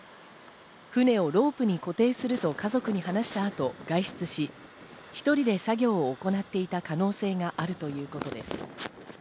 船をロープに固定すると家族に話した後、外出し、１人で作業を行っていた可能性があるということです。